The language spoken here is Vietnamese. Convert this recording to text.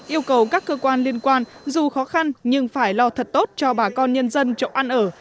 yêu cầu các cơ quan liên quan dù khó khăn nhưng phải lo thật tốt cho bà con nhân dân chỗ ăn ở